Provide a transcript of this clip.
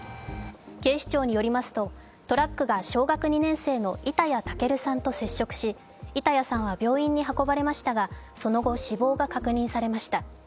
警視庁によりますと、トラックが小学２年生の板谷武瑠さんと接触し板谷さんは病院に運ばれましたがその後、死亡が確認されました。